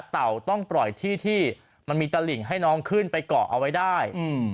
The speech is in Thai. เต่าต้องปล่อยที่ที่มันมีตลิ่งให้น้องขึ้นไปเกาะเอาไว้ได้